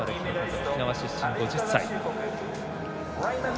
沖縄出身、５０歳。